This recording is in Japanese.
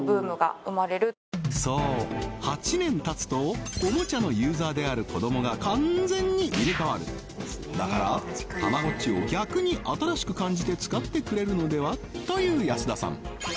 そうおもちゃのユーザーである子どもが完全に入れ替わるだからたまごっちを逆に新しく感じて使ってくれるのでは？という安田さん